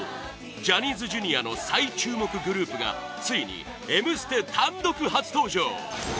ジャニーズＪｒ．の最注目グループがついに「Ｍステ」単独初登場！